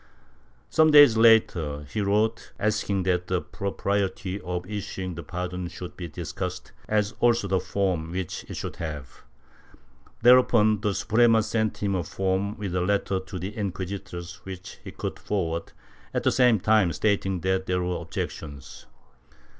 Some days later he wrote Chap. X] ANTONIO PEREZ 269 asking that the propriety of issuing the pardon should be dis cussed, as also the form which it should have. Thereupon the Suprema sent him a form, with a letter'to the inquisitors which he could forward, at the same time stating that there were objections.